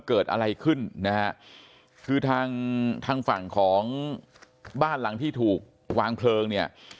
คนคนคนคนคนคนคนคนคนคน